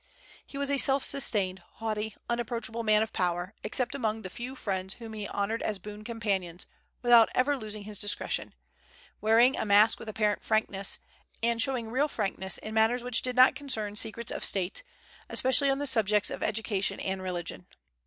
He was a self sustained, haughty, unapproachable man of power, except among the few friends whom he honored as boon companions, without ever losing his discretion, wearing a mask with apparent frankness, and showing real frankness in matters which did not concern secrets of state, especially on the subjects of education and religion.